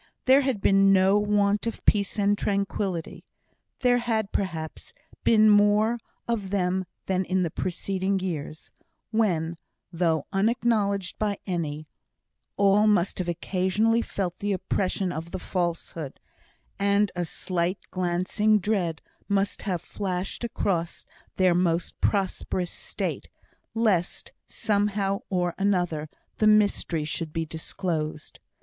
There had been no want of peace and tranquillity; there had, perhaps, been more of them than in the preceding years, when, though unacknowledged by any, all must have occasionally felt the oppression of the falsehood and a slight glancing dread must have flashed across their most prosperous state, lest, somehow or another, the mystery should be disclosed.